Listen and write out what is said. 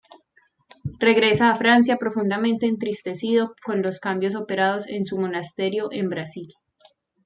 Regresa a Francia profundamente entristecido con los cambios operados en su monasterio en Brasil.